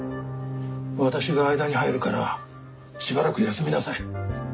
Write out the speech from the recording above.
私が間に入るからしばらく休みなさい。